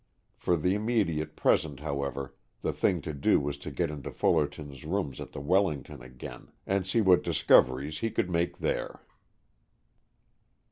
For the immediate present, however, the thing to do was to get into Fullerton's rooms at the Wellington again, and see what discoveries he could make there.